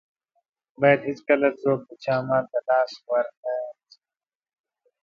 بايد هيڅکله څوک د چا مال ته لاس ور و نه غزوي.